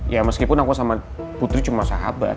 ya meskipun aku sama putri cuma sahabat